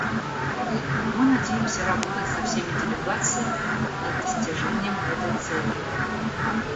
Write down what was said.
Мы надеемся работать со всеми делегациями над достижением этой цели.